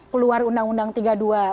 keluar undang undang dua ribu empat